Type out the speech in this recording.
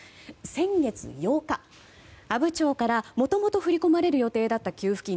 先月８日阿武町からもともと振り込まれる予定だった給付金